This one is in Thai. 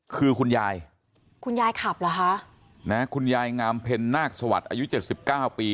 คือคุณยายคุณยายขับเหรอคะนะคุณยายงามเพ็ญนาคสวัสดิ์อายุเจ็ดสิบเก้าปี